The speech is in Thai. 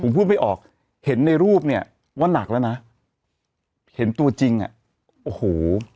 ผมพูดไม่ออกเห็นในรูปเนี่ยว่านักแล้วนะเห็นตัวจริงอ่ะโอ้โห